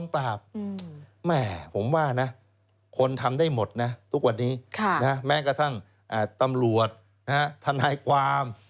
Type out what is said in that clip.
ปากแม่ผมว่านะคนทำได้หมดนะทุกวันนี้แม้กระทั่งตำรวจทนายความ